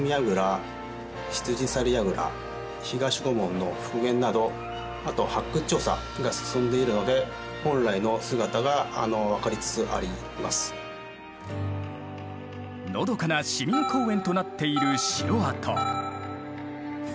の復元などあと発掘調査が進んでいるのでのどかな市民公園となっている城跡。